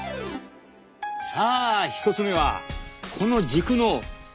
さあ１つ目はこの軸の下の部分。